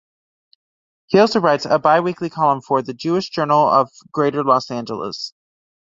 He also writes a bi-weekly column for "The Jewish Journal of Greater Los Angeles".